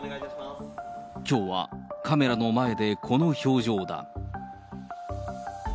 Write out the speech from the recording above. きょうはカメラの前でこの表情だ。